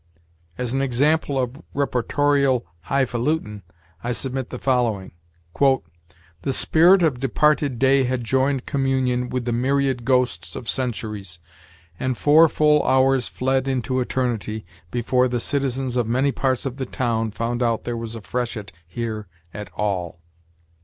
As an example of reportorial highfalutin, I submit the following: "The spirit of departed day had joined communion with the myriad ghosts of centuries, and four full hours fled into eternity before the citizens of many parts of the town found out there was a freshet here at all."